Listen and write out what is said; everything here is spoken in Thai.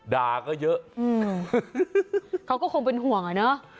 ด่าก็เยอะเขาก็คงเป็นห่วงอ่ะเนอะ